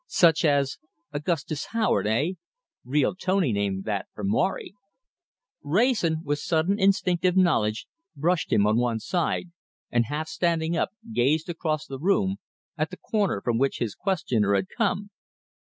"Such as Augustus Howard, eh? Real tony name that for Morry!" Wrayson, with a sudden instinctive knowledge, brushed him on one side, and half standing up, gazed across the room at the corner from which his questioner had come.